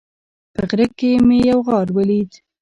په غره کې مې یو غار ولید